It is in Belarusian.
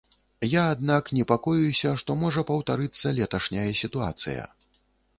Я, аднак, непакоюся, што можа паўтарыцца леташняя сітуацыя.